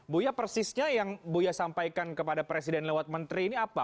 buya persisnya yang buya sampaikan kepada presiden lewat menteri ini apa